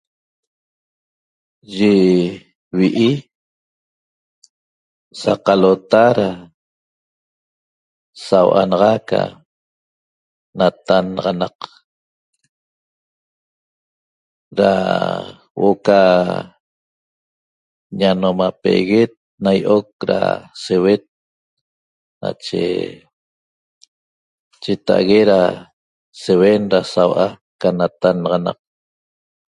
Yi vi'i saqalota da sau'a naxa ca natannaxanaq da huo'o ca ñanomapeeguet na ýi'oc da seuet nache cheta'ague da seuen da saua'a ca natannaxanaq